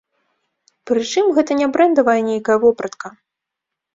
Прычым гэта не брэндавая нейкая вопратка.